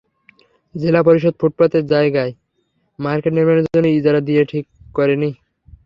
জেলা পরিষদ ফুটপাতের জায়গায় মার্কেট নির্মাণের জন্য ইজারা দিয়ে ঠিক করেনি।